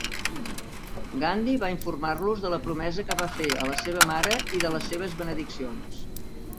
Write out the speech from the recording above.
Gandhi va informar-los de la promesa que va fer a la seva mare i de les seves benediccions.